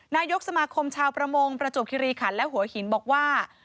นายกสมาคมชาวประมงประจวบคิริขันและหัวหินบอกว่า